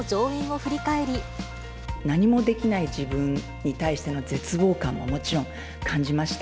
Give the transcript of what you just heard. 何もできない自分に対しての絶望感ももちろん感じました。